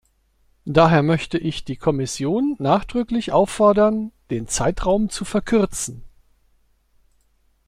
Daher möchte ich die Kommission nachdrücklich auffordern, den Zeitraum zu verkürzen.